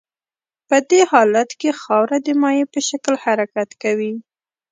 په دې حالت کې خاوره د مایع په شکل حرکت کوي